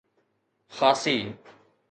خاصي